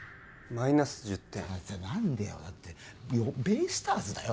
マイナス１０点何でよだってベイスターズだよ